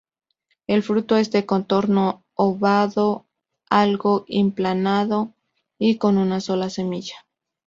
El fruto es de contorno ovado, algo aplanado y con una sola semilla.